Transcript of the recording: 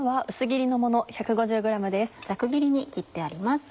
ざく切りに切ってあります。